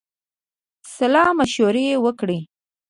سلامشوره وکړی.